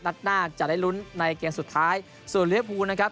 นัดหน้าจะได้ลุ้นในเกมสุดท้ายส่วนลิเวภูนะครับ